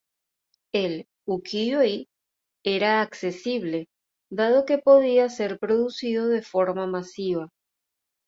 El "ukiyo-e" era accesible, dado que podía ser producido de forma masiva.